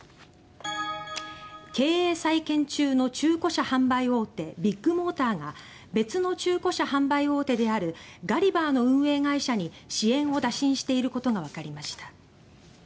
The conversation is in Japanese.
経営再建中の中古車販売大手ビッグモーターが別の中古車販売大手であるガリバーの運営会社に支援を打診していることがわかりました。